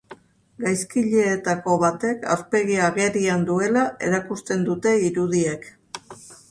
Gaizkileetako batek aurpegia agerian duela erakusten dute irudiek.